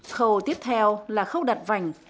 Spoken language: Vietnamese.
khâu tiếp theo là khâu đặt vành